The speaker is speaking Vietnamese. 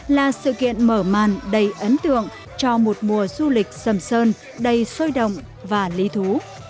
là sự kiện mở màn đầy ấn tượng cho một mùa du lịch sầm sơn đầy sôi động và lý thú